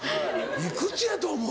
いくつやと思う？